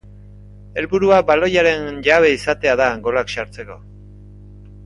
Helburua baloiaren jabe izatea da golak sartzeko.